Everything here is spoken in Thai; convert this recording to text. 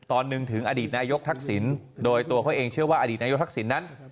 ตอนหนึ่งถึงอดีตนายกทักษิณโดยตัวเขาเองเชื่อว่าอดีตนายกทักษิณนั้น